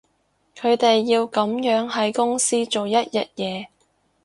佢哋要噉樣喺公司做一日嘢